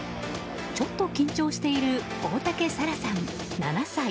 ちょっと緊張している大竹紗楽さん、７歳。